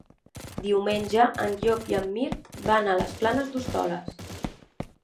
Diumenge en Llop i en Mirt van a les Planes d'Hostoles.